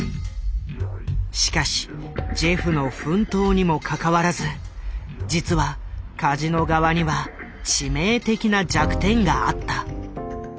しかしジェフの奮闘にもかかわらず実はカジノ側には致命的な弱点があった。